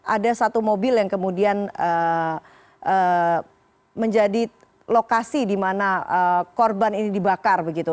ada satu mobil yang kemudian menjadi lokasi di mana korban ini dibakar begitu